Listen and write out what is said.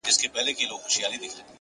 د فـــراق اور دي زمـــا په وجود بل دی